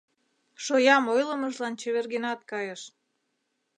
Шоям ойлымыжлан чевергенат кайыш.